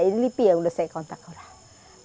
ini lipi yang udah saya kontak orang